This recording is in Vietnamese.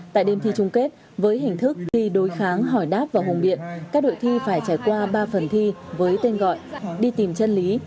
tại đêm thi trung kết với hình thức thi đối kháng hỏi đáp vào hùng biện các đội thi phải trải qua ba phần thi với tên gọi đi tìm chân lý